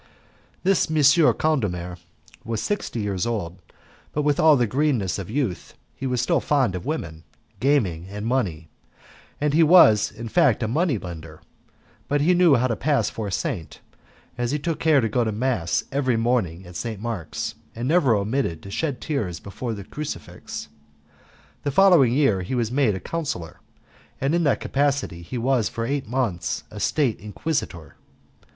This M. Condulmer was sixty years old, but with all the greenness of youth he was still fond of women, gaming, and money, and he was, in fact, a money lender, but he knew how to pass for a saint, as he took care to go to mass every morning at St. Mark's, and never omitted to shed tears before the crucifix. The following year he was made a councillor, and in that capacity he was for eight months a State Inquisitor.